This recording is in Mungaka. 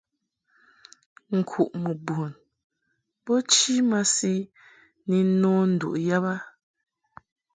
Nkuʼmɨ bun bo chi masi ni nno nduʼ yab a.